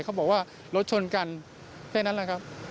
เขาบอกว่ารถชนกันแค่นั้นแหละครับ